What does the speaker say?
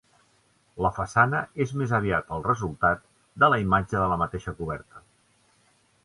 La façana és més aviat el resultat de la imatge de la mateixa coberta.